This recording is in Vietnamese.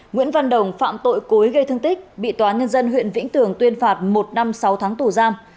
nguyễn văn đồng phạm tội cố ý gây thương tích bị tòa nhân dân huyện vĩnh tường tuyên phạt một năm sáu tháng tù giam